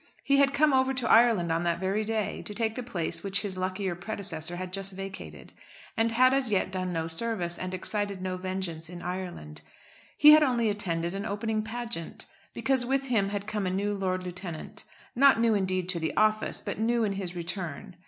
He had come over to Ireland on that very day, to take the place which his luckier predecessor had just vacated, and had as yet done no service, and excited no vengeance in Ireland. He had only attended an opening pageant; because with him had come a new Lord Lieutenant, not new indeed to the office, but new in his return.